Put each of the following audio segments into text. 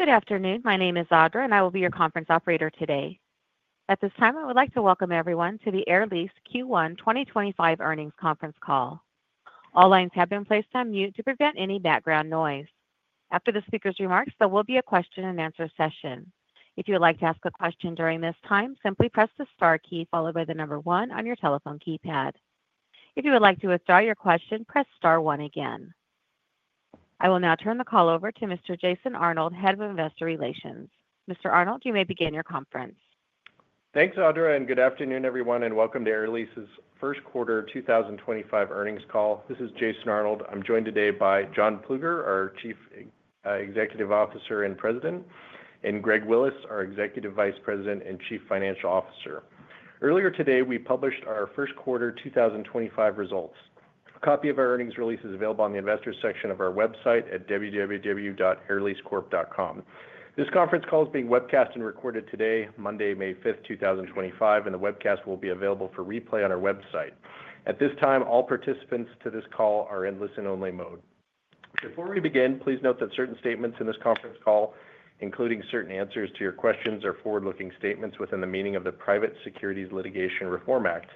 Good afternoon. My name is Audra, and I will be your conference operator today. At this time, I would like to welcome everyone to the Air Lease Q1 2025 Earnings Conference Call. All lines have been placed on mute to prevent any background noise. After the speaker's remarks, there will be a question-and-answer session. If you would like to ask a question during this time, simply press the star key followed by the number one on your telephone keypad. If you would like to withdraw your question, press star one again. I will now turn the call over to Mr. Jason Arnold, Head of Investor Relations. Mr. Arnold, you may begin your conference. Thanks, Audra, and good afternoon, everyone, and welcome to Air Lease's Q1 2025 Earnings Call. This is Jason Arnold. I'm joined today by John Plueger, our Chief Executive Officer and President, and Greg Willis, our Executive Vice President and Chief Financial Officer. Earlier today, we published our Q1 2025 results. A copy of our earnings release is available on the investors' section of our website at www.airleasecorp.com. This conference call is being webcast and recorded today, Monday, May 5th, 2025, and the webcast will be available for replay on our website. At this time, all participants to this call are in listen-only mode. Before we begin, please note that certain statements in this conference call, including certain answers to your questions, are forward-looking statements within the meaning of the Private Securities Litigation Reform Act.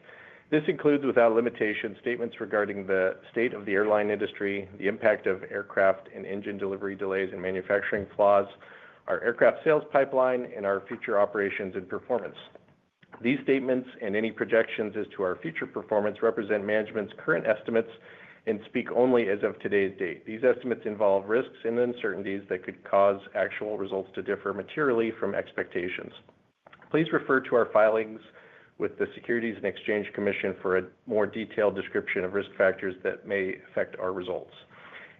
This includes, without limitation, statements regarding the state of the airline industry, the impact of aircraft and engine delivery delays and manufacturing flaws, our aircraft sales pipeline, and our future operations and performance. These statements and any projections as to our future performance represent management's current estimates and speak only as of today's date. These estimates involve risks and uncertainties that could cause actual results to differ materially from expectations. Please refer to our filings with the Securities and Exchange Commission for a more detailed description of risk factors that may affect our results.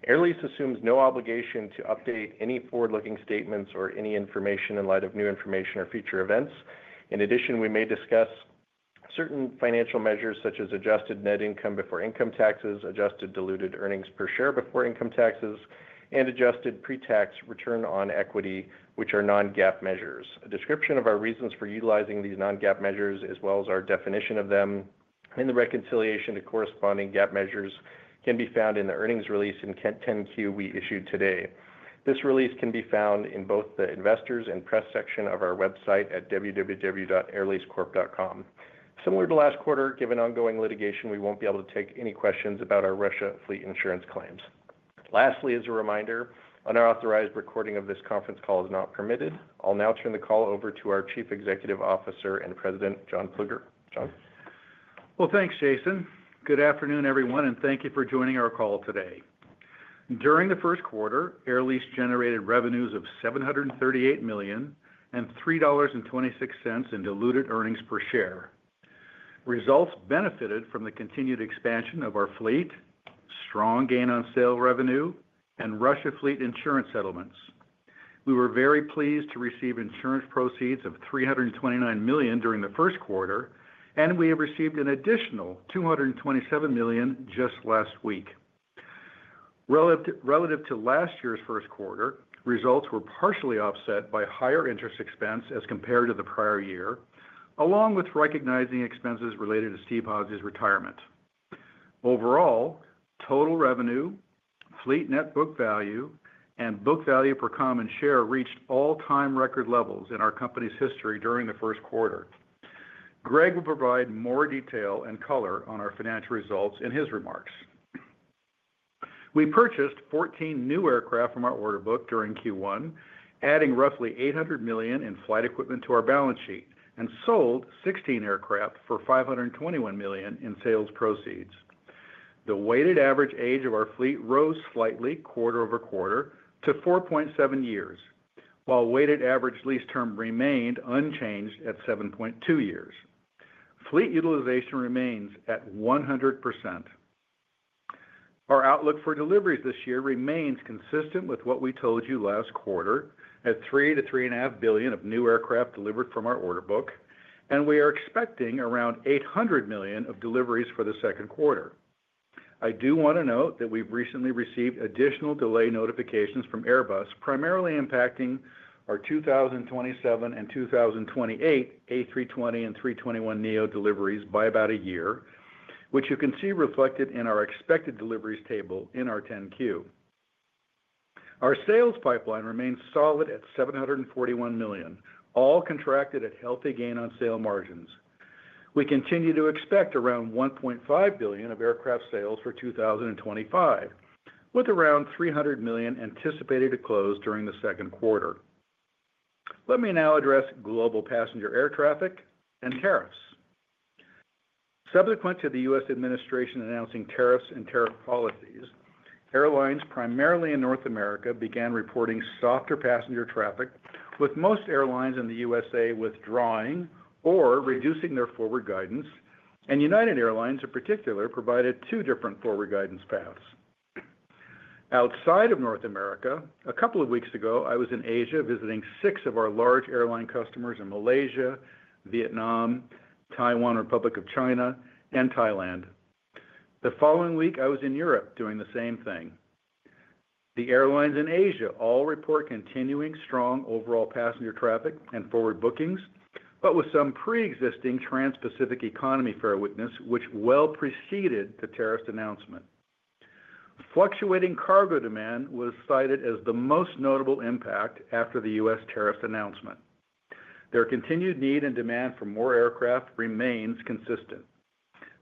Air Lease assumes no obligation to update any forward-looking statements or any information in light of new information or future events. In addition, we may discuss certain financial measures such as adjusted net income before income taxes, adjusted diluted earnings per share before income taxes, and adjusted pre-tax return on equity, which are non-GAAP measures. A description of our reasons for utilizing these non-GAAP measures, as well as our definition of them and the reconciliation to corresponding GAAP measures, can be found in the earnings release and 10Q we issued today. This release can be found in both the investors' and press section of our website at www.airleasecorp.com. Similar to last quarter, given ongoing litigation, we won't be able to take any questions about our Russia fleet insurance claims. Lastly, as a reminder, unauthorized recording of this conference call is not permitted. I'll now turn the call over to our Chief Executive Officer and President, John Plueger. John? Thanks, Jason. Good afternoon, everyone, and thank you for joining our call today. During the Q1, Air Lease generated revenues of $738 million and $3.26 in diluted earnings per share. Results benefited from the continued expansion of our fleet, strong gain on sale revenue, and Russia fleet insurance settlements. We were very pleased to receive insurance proceeds of $329 million during the Q1, and we have received an additional $227 million just last week. Relative to last year's Q1, results were partially offset by higher interest expense as compared to the prior year, along with recognizing expenses related to Steve Hazy's retirement. Overall, total revenue, fleet net book value, and book value per common share reached all-time record levels in our company's history during the Q1. Greg will provide more detail and color on our financial results in his remarks. We purchased 14 new aircraft from our order book during Q1, adding roughly $800 million in flight equipment to our balance sheet, and sold 16 aircraft for $521 million in sales proceeds. The weighted average age of our fleet rose slightly quarter over quarter to 4.7 years, while weighted average lease term remained unchanged at 7.2 years. Fleet utilization remains at 100%. Our outlook for deliveries this year remains consistent with what we told you last quarter, at $3 billion-$3.5 billion of new aircraft delivered from our order book, and we are expecting around $800 million of deliveries for the Q2. I do want to note that we've recently received additional delay notifications from Airbus, primarily impacting our 2027 and 2028 A320 and A321neo deliveries by about a year, which you can see reflected in our expected deliveries table in our 10Q. Our sales pipeline remains solid at $741 million, all contracted at healthy gain on sale margins. We continue to expect around $1.5 billion of aircraft sales for 2025, with around $300 million anticipated to close during the Q2. Let me now address global passenger air traffic and tariffs. Subsequent to the US administration announcing tariffs and tariff policies, airlines primarily in North America began reporting softer passenger traffic, with most airlines in the USA withdrawing or reducing their forward guidance, and United Airlines in particular provided two different forward guidance paths. Outside of North America, a couple of weeks ago, I was in Asia visiting six of our large airline customers in Malaysia, Vietnam, Taiwan, Republic of China, and Thailand. The following week, I was in Europe doing the same thing. The airlines in Asia all report continuing strong overall passenger traffic and forward bookings, but with some pre-existing Trans-Pacific economy fare weakness, which well preceded the tariffs announcement. Fluctuating cargo demand was cited as the most notable impact after the US tariffs announcement. Their continued need and demand for more aircraft remains consistent.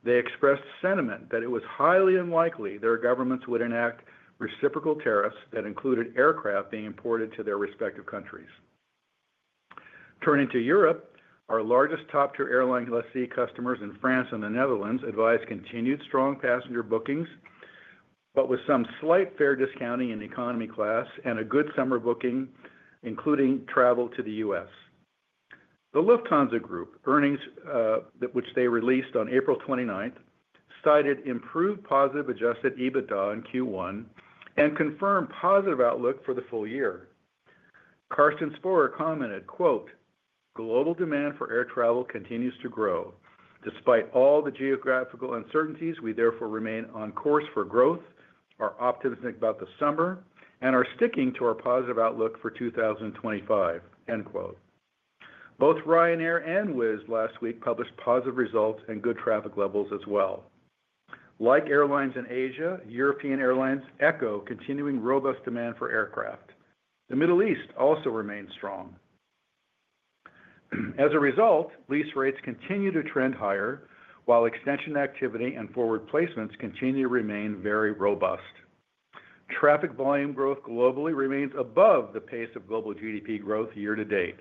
They expressed sentiment that it was highly unlikely their governments would enact reciprocal tariffs that included aircraft being imported to their respective countries. Turning to Europe, our largest top-tier airline class C customers in France and the Netherlands advised continued strong passenger bookings, but with some slight fare discounting in economy class and a good summer booking, including travel to the US. The Lufthansa Group, earnings which they released on April 29, cited improved positive adjusted EBITDA in Q1 and confirmed positive outlook for the full year. Carsten Spohr commented, "Global demand for air travel continues to grow. Despite all the geographical uncertainties, we therefore remain on course for growth, are optimistic about the summer, and are sticking to our positive outlook for 2025." Both Ryanair and Wizz last week published positive results and good traffic levels as well. Like airlines in Asia, European airlines echo continuing robust demand for aircraft. The Middle East also remains strong. As a result, lease rates continue to trend higher, while extension activity and forward placements continue to remain very robust. Traffic volume growth globally remains above the pace of global GDP growth year to date.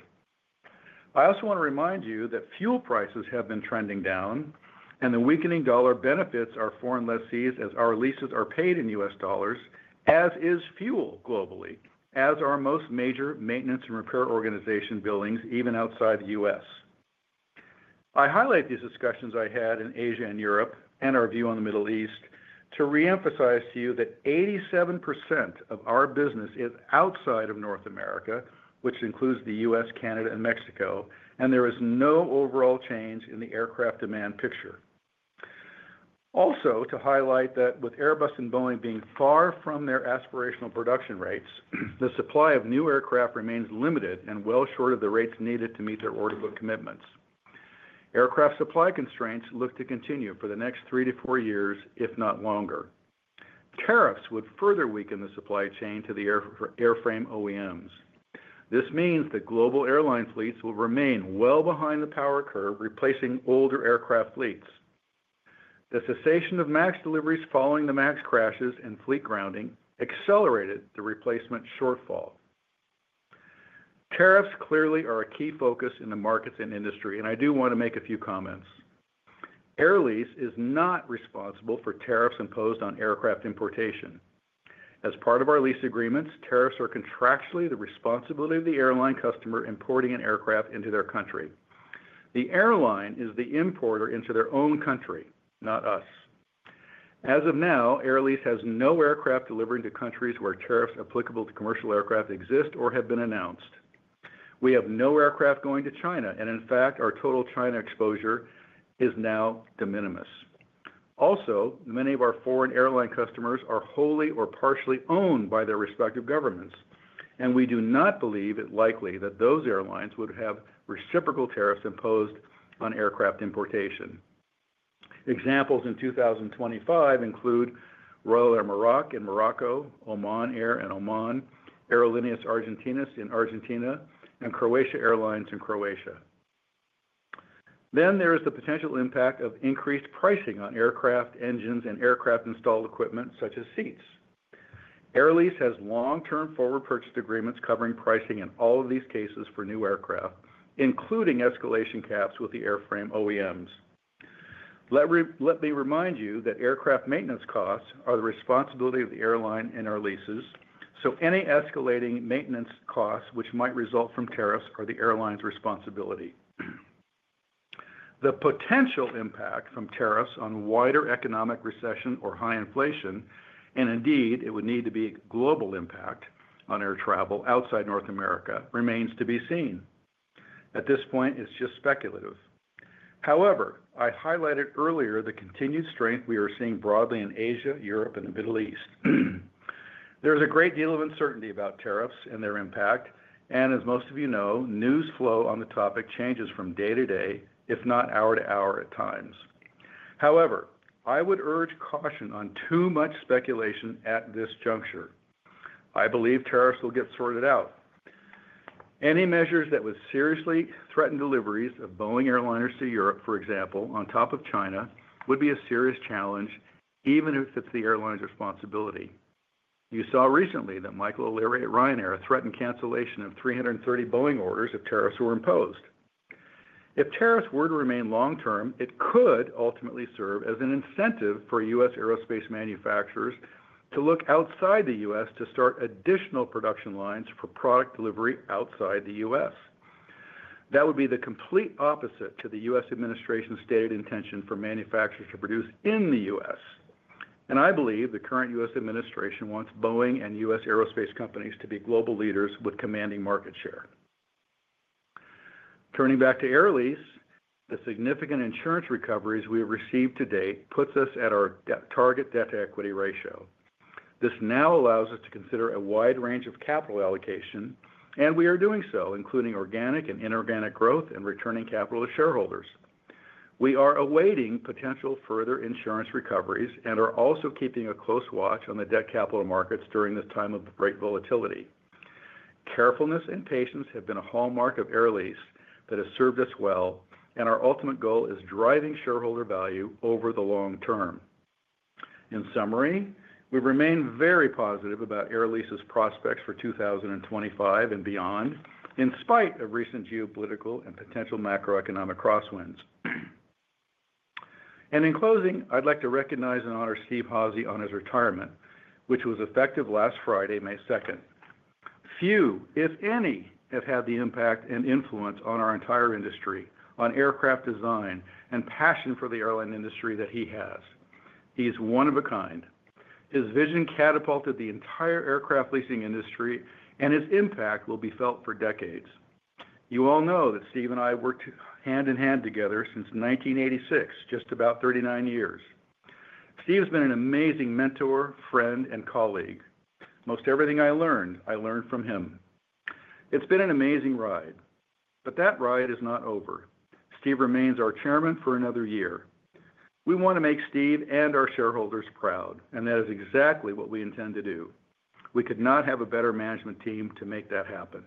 I also want to remind you that fuel prices have been trending down, and the weakening dollar benefits our foreign lessees as our leases are paid in US dollars. dollars, as is fuel globally, as are most major maintenance and repair organization billings even outside the US I highlight these discussions I had in Asia and Europe and our view on the Middle East to reemphasize to you that 87% of our business is outside of North America, which includes the US, Canada, and Mexico, and there is no overall change in the aircraft demand picture. Also, to highlight that with Airbus and Boeing being far from their aspirational production rates, the supply of new aircraft remains limited and well short of the rates needed to meet their order book commitments. Aircraft supply constraints look to continue for the next three to four years, if not longer. Tariffs would further weaken the supply chain to the airframe OEMs. This means that global airline fleets will remain well behind the power curve, replacing older aircraft fleets. The cessation of MAX deliveries following the MAX crashes and fleet grounding accelerated the replacement shortfall. Tariffs clearly are a key focus in the markets and industry, and I do want to make a few comments. Air Lease is not responsible for tariffs imposed on aircraft importation. As part of our lease agreements, tariffs are contractually the responsibility of the airline customer importing an aircraft into their country. The airline is the importer into their own country, not us. As of now, Air Lease has no aircraft delivering to countries where tariffs applicable to commercial aircraft exist or have been announced. We have no aircraft going to China, and in fact, our total China exposure is now de minimis. Also, many of our foreign airline customers are wholly or partially owned by their respective governments, and we do not believe it likely that those airlines would have reciprocal tariffs imposed on aircraft importation. Examples in 2025 include Royal Air Maroc in Morocco, Oman Air in Oman, Aerolíneas Argentinas in Argentina, and Croatia Airlines in Croatia. There is the potential impact of increased pricing on aircraft engines and aircraft installed equipment, such as seats. Air Lease has long-term forward purchase agreements covering pricing in all of these cases for new aircraft, including escalation caps with the airframe OEMs. Let me remind you that aircraft maintenance costs are the responsibility of the airline and Air Lease, so any escalating maintenance costs which might result from tariffs are the airline's responsibility. The potential impact from tariffs on wider economic recession or high inflation, and indeed it would need to be a global impact on air travel outside North America, remains to be seen. At this point, it's just speculative. However, I highlighted earlier the continued strength we are seeing broadly in Asia, Europe, and the Middle East. There is a great deal of uncertainty about tariffs and their impact, and as most of you know, news flow on the topic changes from day to day, if not hour to hour at times. However, I would urge caution on too much speculation at this juncture. I believe tariffs will get sorted out. Any measures that would seriously threaten deliveries of Boeing airliners to Europe, for example, on top of China, would be a serious challenge, even if it's the airline's responsibility. You saw recently that Michael O'Leary at Ryanair threatened cancellation of 330 Boeing orders if tariffs were imposed. If tariffs were to remain long-term, it could ultimately serve as an incentive for US aerospace manufacturers to look outside the US to start additional production lines for product delivery outside the US That would be the complete opposite to the US administration's stated intention for manufacturers to produce in the US, and I believe the current US administration wants Boeing and US aerospace companies to be global leaders with commanding market share. Turning back to Air Lease, the significant insurance recoveries we have received to date puts us at our target debt to equity ratio. This now allows us to consider a wide range of capital allocation, and we are doing so, including organic and inorganic growth and returning capital to shareholders. We are awaiting potential further insurance recoveries and are also keeping a close watch on the debt capital markets during this time of great volatility. Carefulness and patience have been a hallmark of Air Lease that has served us well, and our ultimate goal is driving shareholder value over the long term. In summary, we remain very positive about Air Lease's prospects for 2025 and beyond, in spite of recent geopolitical and potential macroeconomic crosswinds. In closing, I'd like to recognize and honor Steve Hazy on his retirement, which was effective last Friday, May 2. Few, if any, have had the impact and influence on our entire industry, on aircraft design and passion for the airline industry that he has. He is one of a kind. His vision catapulted the entire aircraft leasing industry, and his impact will be felt for decades. You all know that Steve and I have worked hand in hand together since 1986, just about 39 years. Steve has been an amazing mentor, friend, and colleague. Most everything I learned, I learned from him. It's been an amazing ride, but that ride is not over. Steve remains our Chairman for another year. We want to make Steve and our shareholders proud, and that is exactly what we intend to do. We could not have a better management team to make that happen.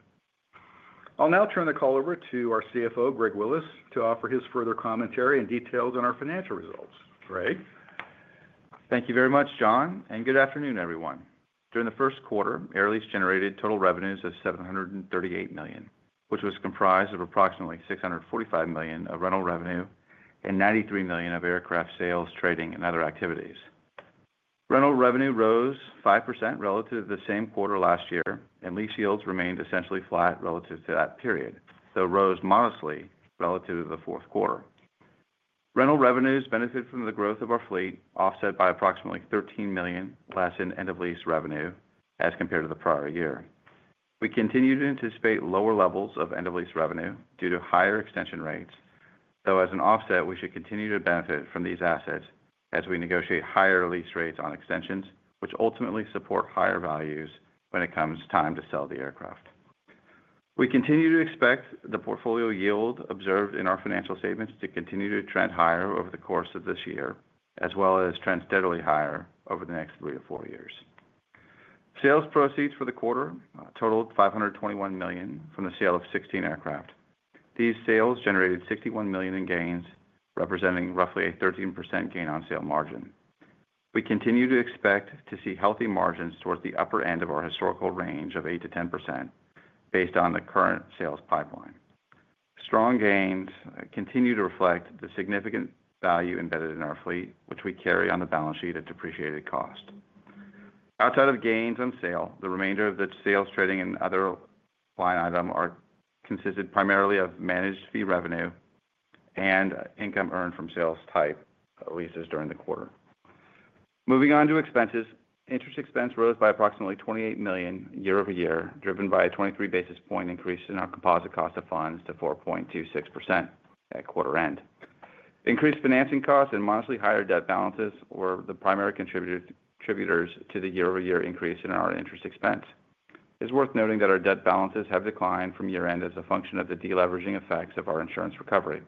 I'll now turn the call over to our CFO, Greg Willis, to offer his further commentary and details on our financial results. Greg, thank you very much, John, and good afternoon, everyone. During the Q1, Air Lease generated total revenues of $738 million, which was comprised of approximately $645 million of rental revenue and $93 million of aircraft sales, trading, and other activities. Rental revenue rose 5% relative to the same quarter last year, and lease yields remained essentially flat relative to that period, though rose modestly relative to the Q4. Rental revenues benefited from the growth of our fleet, offset by approximately $13 million less in end-of-lease revenue as compared to the prior year. We continue to anticipate lower levels of end-of-lease revenue due to higher extension rates, though as an offset, we should continue to benefit from these assets as we negotiate higher lease rates on extensions, which ultimately support higher values when it comes time to sell the aircraft. We continue to expect the portfolio yield observed in our financial statements to continue to trend higher over the course of this year, as well as trend steadily higher over the next three to four years. Sales proceeds for the quarter totaled $521 million from the sale of 16 aircraft. These sales generated $61 million in gains, representing roughly a 13% gain on sale margin. We continue to expect to see healthy margins towards the upper end of our historical range of 8%-10% based on the current sales pipeline. Strong gains continue to reflect the significant value embedded in our fleet, which we carry on the balance sheet at depreciated cost. Outside of gains on sale, the remainder of the sales, trading, and other line items consisted primarily of management fee revenue and income earned from sales-type leases during the quarter. Moving on to expenses, interest expense rose by approximately $28 million year over year, driven by a 23 basis point increase in our composite cost of funds to 4.26% at quarter end. Increased financing costs and modestly higher debt balances were the primary contributors to the year-over-year increase in our interest expense. It's worth noting that our debt balances have declined from year-end as a function of the deleveraging effects of our insurance recovery.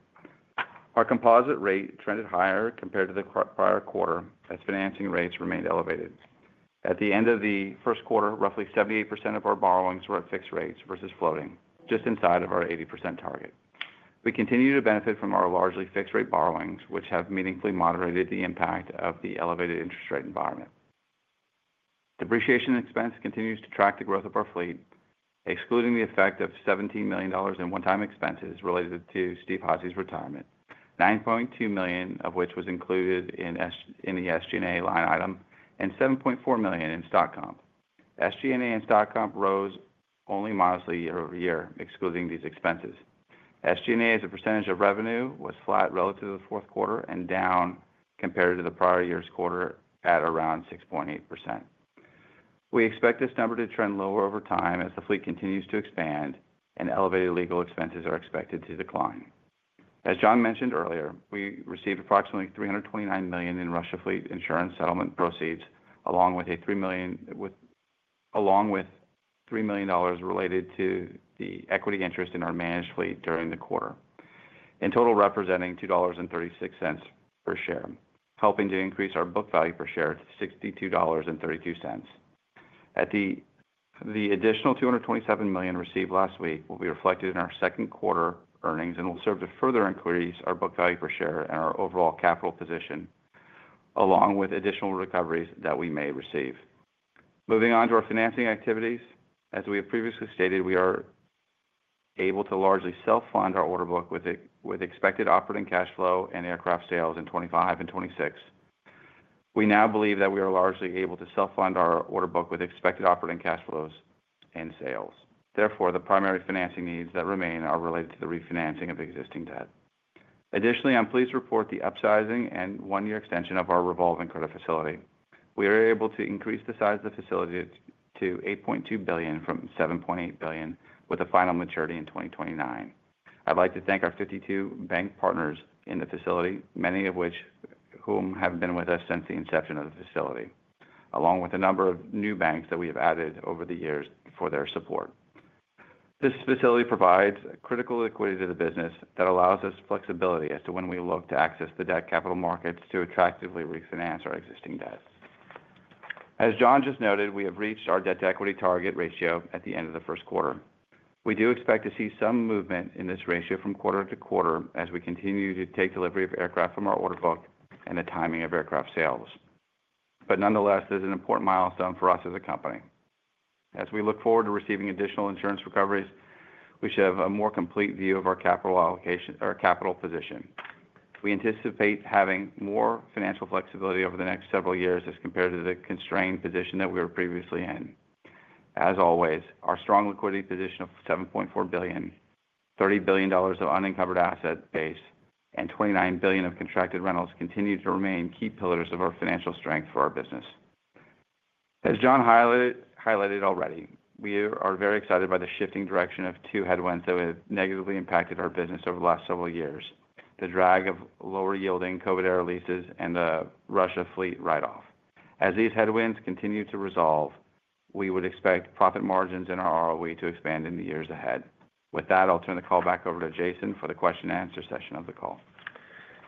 Our composite rate trended higher compared to the prior quarter as financing rates remained elevated. At the end of the Q1, roughly 78% of our borrowings were at fixed rates versus floating, just inside of our 80% target. We continue to benefit from our largely fixed-rate borrowings, which have meaningfully moderated the impact of the elevated interest rate environment. Depreciation expense continues to track the growth of our fleet, excluding the effect of $17 million in one-time expenses related to Steve Hazy's retirement, $9.2 million of which was included in the SG&A line item and $7.4 million in stock comp. SG&A and stock comp rose only modestly year over year, excluding these expenses. SG&A's percentage of revenue was flat relative to the Q4 and down compared to the prior year's quarter at around 6.8%. We expect this number to trend lower over time as the fleet continues to expand and elevated legal expenses are expected to decline. As John mentioned earlier, we received approximately $329 million in Russia fleet insurance settlement proceeds, along with $3 million related to the equity interest in our managed fleet during the quarter, in total representing $2.36 per share, helping to increase our book value per share to $62.32. The additional $227 million received last week will be reflected in our Q2 earnings and will serve to further increase our book value per share and our overall capital position, along with additional recoveries that we may receive. Moving on to our financing activities, as we have previously stated, we are able to largely self-fund our order book with expected operating cash flow and aircraft sales in 2025 and 2026. We now believe that we are largely able to self-fund our order book with expected operating cash flows and sales. Therefore, the primary financing needs that remain are related to the refinancing of existing debt. Additionally, I'm pleased to report the upsizing and one-year extension of our revolving credit facility. We are able to increase the size of the facility to $8.2 billion from $7.8 billion, with a final maturity in 2029. I'd like to thank our 52 bank partners in the facility, many of whom have been with us since the inception of the facility, along with a number of new banks that we have added over the years for their support. This facility provides critical liquidity to the business that allows us flexibility as to when we look to access the debt capital markets to attractively refinance our existing debt. As John just noted, we have reached our debt to equity target ratio at the end of the Q1. We do expect to see some movement in this ratio from quarter to quarter as we continue to take delivery of aircraft from our order book and the timing of aircraft sales. Nonetheless, there's an important milestone for us as a company. As we look forward to receiving additional insurance recoveries, we should have a more complete view of our capital position. We anticipate having more financial flexibility over the next several years as compared to the constrained position that we were previously in. As always, our strong liquidity position of $7.4 billion, $30 billion of unencumbered asset base, and $29 billion of contracted rentals continue to remain key pillars of our financial strength for our business. As John highlighted already, we are very excited by the shifting direction of two headwinds that have negatively impacted our business over the last several years: the drag of lower yielding COVID Air Lease's and the Russia fleet write-off. As these headwinds continue to resolve, we would expect profit margins in our ROE to expand in the years ahead. With that, I'll turn the call back over to Jason for the question-and-answer session of the call.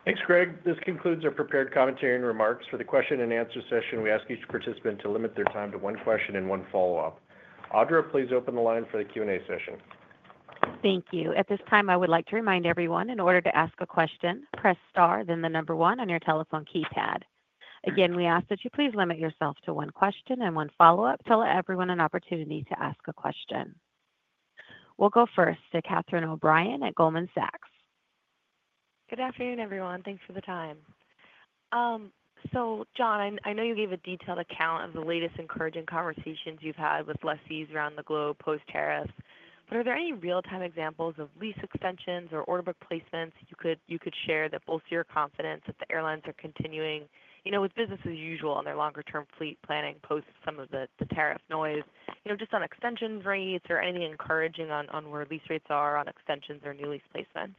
Thanks, Greg. This concludes our prepared commentary and remarks. For the question-and-answer session, we ask each participant to limit their time to one question and one follow-up. Audra, please open the line for the Q&A session. Thank you. At this time, I would like to remind everyone in order to ask a question, press star, then the number one on your telephone keypad. Again, we ask that you please limit yourself to one question and one follow-up to let everyone an opportunity to ask a question. We'll go first to Catherine O'Brien at Goldman Sachs. Good afternoon, everyone. Thanks for the time. John, I know you gave a detailed account of the latest encouraging conversations you've had with lessees around the globe post-tariffs, but are there any real-time examples of lease extensions or order book placements you could share that bolster your confidence that the airlines are continuing, with business as usual, on their longer-term fleet planning post some of the tariff noise, just on extension rates or anything encouraging on where lease rates are on extensions or new lease placements?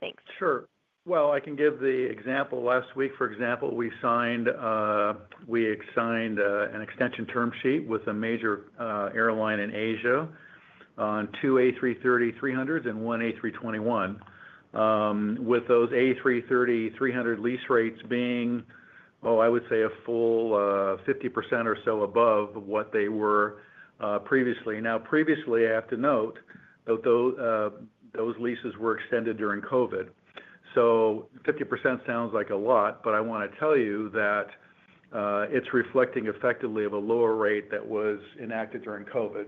Thanks. Sure.I can give the example. Last week, for example, we signed an extension term sheet with a major airline in Asia on two A330-300s and one A321, with those A330-300 lease rates being, oh, I would say a full 50% or so above what they were previously. Now, previously, I have to note that those leases were extended during COVID. 50% sounds like a lot, but I want to tell you that it's reflecting effectively of a lower rate that was enacted during COVID.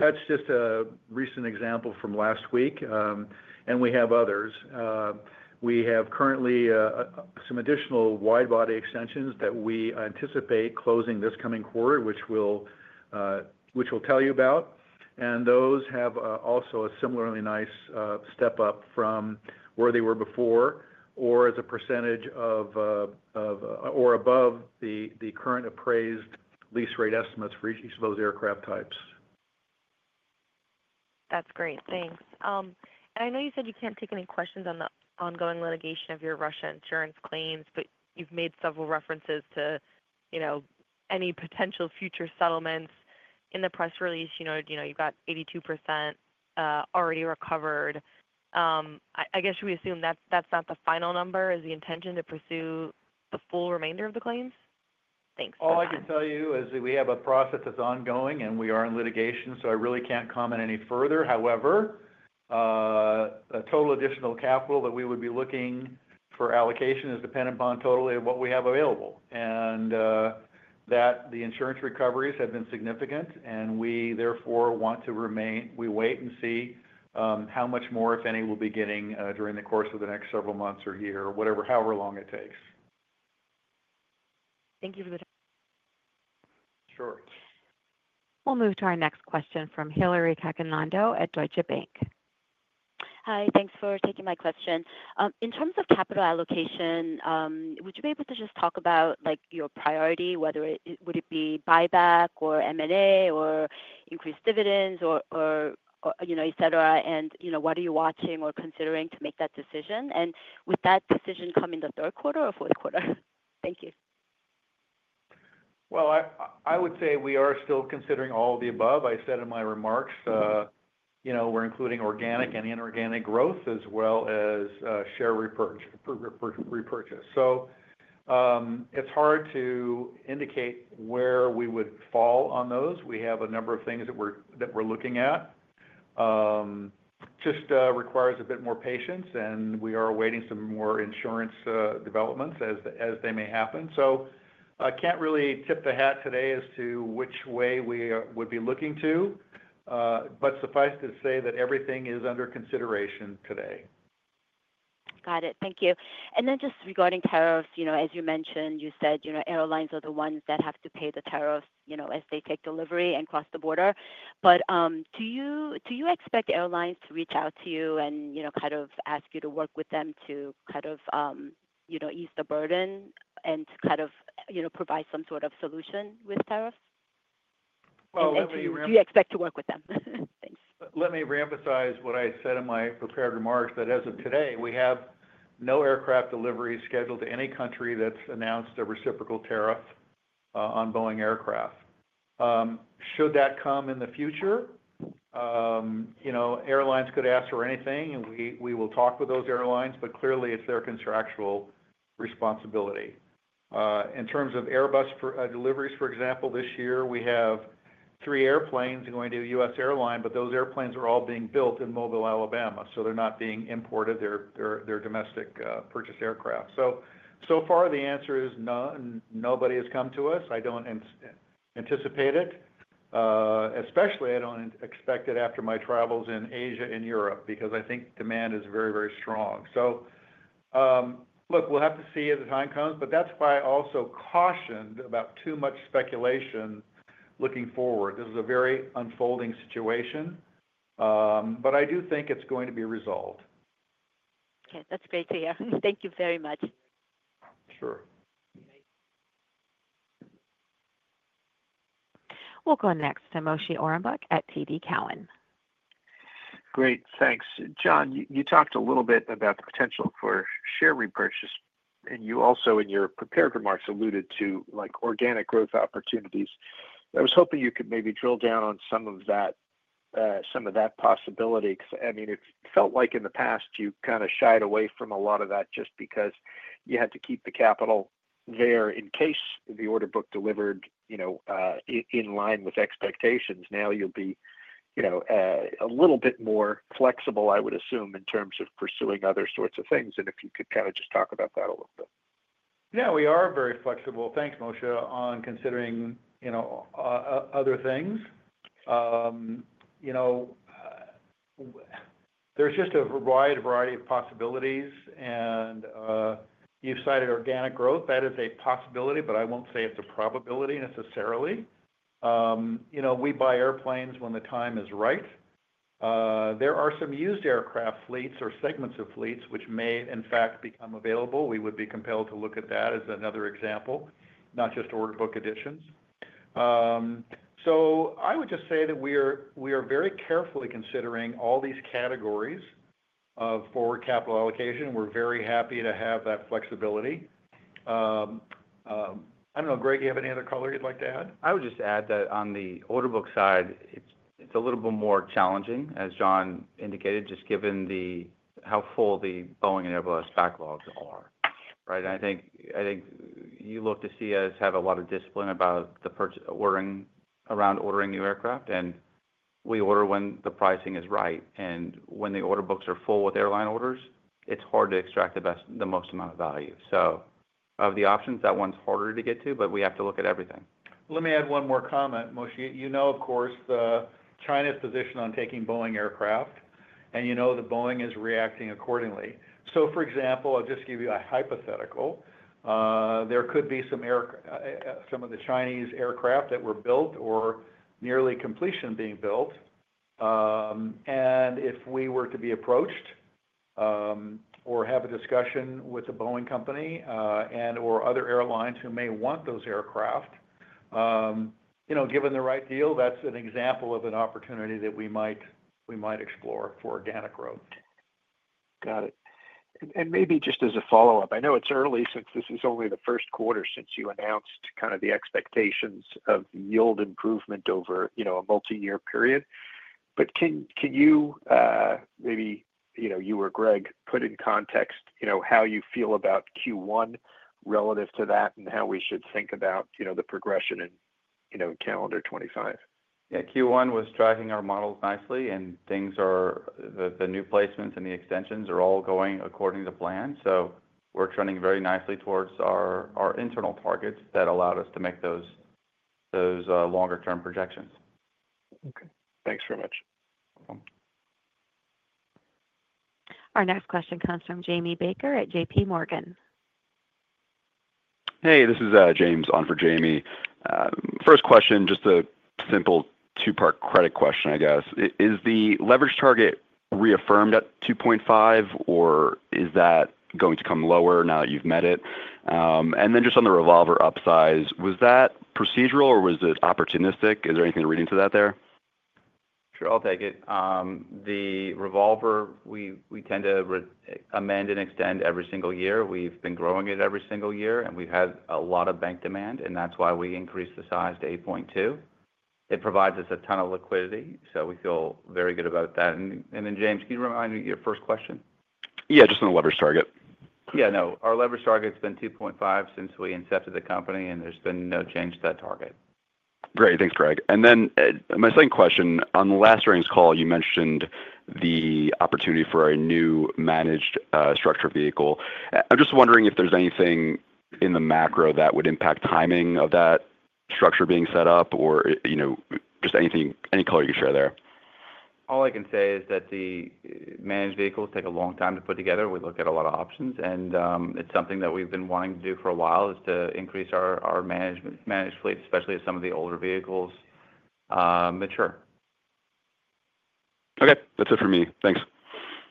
That's just a recent example from last week, and we have others. We have currently some additional wide-body extensions that we anticipate closing this coming quarter, which we'll tell you about. Those have also a similarly nice step up from where they were before or as a percentage of or above the current appraised lease rate estimates for each of those aircraft types. That's great. Thanks. I know you said you can't take any questions on the ongoing litigation of your Russia insurance claims, but you've made several references to any potential future settlements. In the press release, you noted you've got 82% already recovered. I guess should we assume that's not the final number? Is the intention to pursue the full remainder of the claims? Thanks. All I can tell you is that we have a process that's ongoing, and we are in litigation, so I really can't comment any further. However, the total additional capital that we would be looking for allocation is dependent upon totally what we have available. That the insurance recoveries have been significant, and we therefore want to remain—we wait and see how much more, if any, we'll be getting during the course of the next several months or year, however long it takes. Thank you for the time. Sure. We'll move to our next question from Hillary Cacanando at Deutsche Bank. Hi. Thanks for taking my question. In terms of capital allocation, would you be able to just talk about your priority, whether it would be buyback or M&A or increased dividends or etc., and what are you watching or considering to make that decision? And would that decision come in the Q3 or Q4? Thank you. I would say we are still considering all of the above. I said in my remarks we're including organic and inorganic growth as well as share repurchase. It is hard to indicate where we would fall on those. We have a number of things that we are looking at. It just requires a bit more patience, and we are awaiting some more insurance developments as they may happen. I cannot really tip the hat today as to which way we would be looking to, but suffice to say that everything is under consideration today. Got it. Thank you. Just regarding tariffs, as you mentioned, you said airlines are the ones that have to pay the tariffs as they take delivery and cross the border. Do you expect airlines to reach out to you and kind of ask you to work with them to ease the burden and to provide some sort of solution with tariffs? Do you expect to work with them? Thanks. Let me reemphasize what I said in my prepared remarks that as of today, we have no aircraft deliveries scheduled to any country that's announced a reciprocal tariff on Boeing aircraft. Should that come in the future, airlines could ask for anything, and we will talk with those airlines, but clearly it's their contractual responsibility. In terms of Airbus deliveries, for example, this year, we have three airplanes going to US airline, but those airplanes are all being built in Mobile, Alabama, so they're not being imported. They're domestic purchased aircraft. So far, the answer is none. Nobody has come to us. I don't anticipate it. Especially, I don't expect it after my travels in Asia and Europe because I think demand is very, very strong. Look, we'll have to see as the time comes, but that's why I also cautioned about too much speculation looking forward. This is a very unfolding situation, but I do think it's going to be resolved. Okay. That's great to hear. Thank you very much. Sure. We'll go next to Moshe Orenbuch at TD Cowen. Great. Thanks. John, you talked a little bit about the potential for share repurchase, and you also in your prepared remarks alluded to organic growth opportunities. I was hoping you could maybe drill down on some of that possibility because, I mean, it felt like in the past you kind of shied away from a lot of that just because you had to keep the capital there in case the order book delivered in line with expectations. Now you'll be a little bit more flexible, I would assume, in terms of pursuing other sorts of things. If you could kind of just talk about that a little bit. Yeah, we are very flexible. Thanks, Moshe, on considering other things. There's just a wide variety of possibilities, and you've cited organic growth. That is a possibility, but I won't say it's a probability necessarily. We buy airplanes when the time is right. There are some used aircraft fleets or segments of fleets which may, in fact, become available. We would be compelled to look at that as another example, not just order book additions. I would just say that we are very carefully considering all these categories for capital allocation. We're very happy to have that flexibility. I don't know, Greg, do you have any other color you'd like to add? I would just add that on the order book side, it's a little bit more challenging, as John indicated, just given how full the Boeing and Airbus backlogs are. Right? I think you look to see us have a lot of discipline about the ordering around ordering new aircraft, and we order when the pricing is right. When the order books are full with airline orders, it is hard to extract the most amount of value. Of the options, that one is harder to get to, but we have to look at everything. Let me add one more comment, Moshe. You know, of course, China's position on taking Boeing aircraft, and you know that Boeing is reacting accordingly. For example, I will just give you a hypothetical. There could be some of the Chinese aircraft that were built or nearly completion being built. If we were to be approached or have a discussion with a Boeing company and/or other airlines who may want those aircraft, given the right deal, that's an example of an opportunity that we might explore for organic growth. Got it. Maybe just as a follow-up, I know it's early since this is only the Q1 since you announced kind of the expectations of yield improvement over a multi-year period. Can you maybe, you or Greg, put in context how you feel about Q1 relative to that and how we should think about the progression in calendar 2025? Yeah. Q1 was driving our models nicely, and things are the new placements and the extensions are all going according to plan. We're trending very nicely towards our internal targets that allowed us to make those longer-term projections. Okay. Thanks very much. Our next question comes from Jamie Baker at JPMorgan Chase. Hey, this is James on for Jamie. First question, just a simple two-part credit question, I guess. Is the leverage target reaffirmed at 2.5, or is that going to come lower now that you've met it? Just on the revolver upsize, was that procedural or was it opportunistic? Is there anything to read into that there? Sure. I'll take it. The revolver, we tend to amend and extend every single year. We've been growing it every single year, and we've had a lot of bank demand, and that's why we increased the size to $8.2 billion. It provides us a ton of liquidity, so we feel very good about that. James, can you remind me your first question? Yeah, just on the leverage target. Yeah. No, our leverage target's been 2.5 since we incepted the company, and there's been no change to that target. Great. Thanks, Greg. Then my second question, on the last earnings call, you mentioned the opportunity for a new managed structure vehicle. I'm just wondering if there's anything in the macro that would impact timing of that structure being set up or just any color you can share there. All I can say is that the managed vehicles take a long time to put together. We look at a lot of options, and it's something that we've been wanting to do for a while is to increase our managed fleet, especially as some of the older vehicles mature. Okay. That's it for me. Thanks.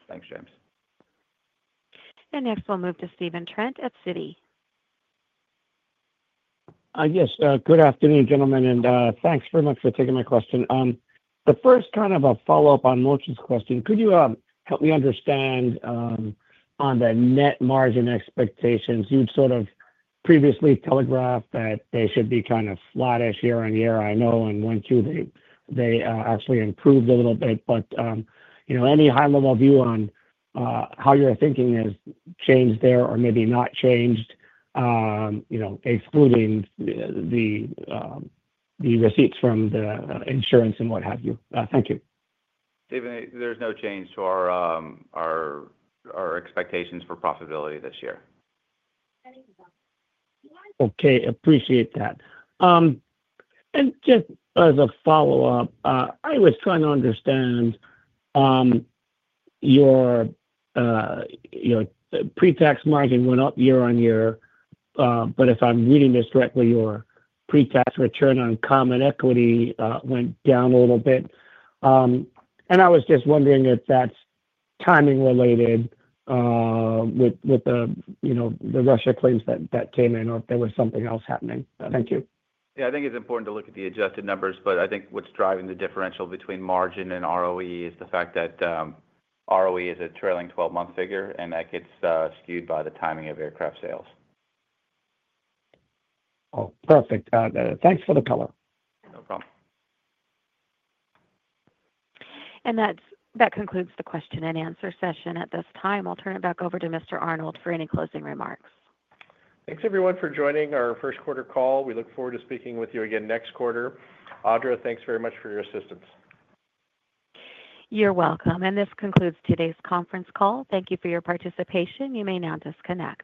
Thanks, James. Next, we'll move to Stephen Trent at Citi. Yes. Good afternoon, gentlemen, and thanks very much for taking my question. The first kind of a follow-up on Moshe's question, could you help me understand on the net margin expectations? You'd sort of previously telegraphed that they should be kind of slottish year on year, I know, and went to they actually improved a little bit. Any high-level view on how your thinking has changed there or maybe not changed, excluding the receipts from the insurance and what have you? Thank you. Stephen, there's no change to our expectations for profitability this year. Okay. Appreciate that. Just as a follow-up, I was trying to understand your pre-tax margin went up year on year, but if I'm reading this correctly, your pre-tax return on common equity went down a little bit. I was just wondering if that's timing related with the Russia claims that came in or if there was something else happening. Thank you. Yeah. I think it's important to look at the adjusted numbers, but I think what's driving the differential between margin and ROE is the fact that ROE is a trailing 12-month figure, and that gets skewed by the timing of aircraft sales. Oh, perfect. Thanks for the color. No problem. That concludes the question and answer session at this time. I'll turn it back over to Mr. Arnold for any closing remarks. Thanks, everyone, for joining our Q1 call. We look forward to speaking with you again next quarter. Audra, thanks very much for your assistance. You're welcome. This concludes today's conference call. Thank you for your participation. You may now disconnect.